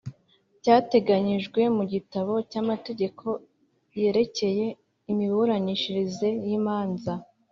Cyateganyijwe mu gitabo cy’amategeko yerekeye imiburanishirize y’imanza